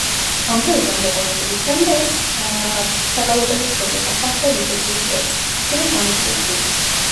ამ დროიდან მოყოლებული დღემდე ეს საგალობელი სრულდება საღვთო ლიტურგიის დროს, მცირე გამოსვლის წინ.